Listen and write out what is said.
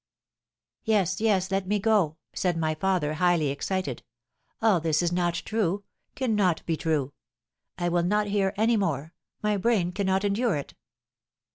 "'Yes, yes, let me go!' said my father, highly excited; 'all this is not true cannot be true! I will not hear any more, my brain cannot endure it.